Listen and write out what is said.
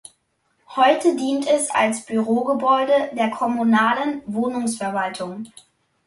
Heute dient es als Bürogebäude der Kommunalen Wohnungsverwaltung.